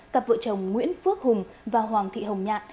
cặp vợ chồng nguyễn phước hùng và hoàng thị hồng nhạn